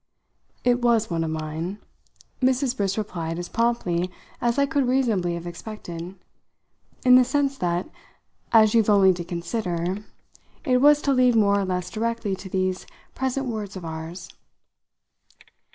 "It was one of mine," Mrs. Briss replied as promptly as I could reasonably have expected; "in the sense that as you've only to consider it was to lead more or less directly to these present words of ours."